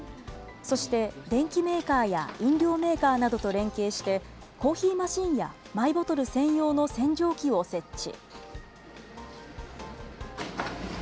そして、電機メーカーや飲料メーカーなどと連携して、コーヒーマシンやマイボトル専用の洗浄機を設置。